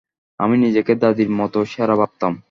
আমি নিজেকে দাদীর মতো সেরা ভাবতাম।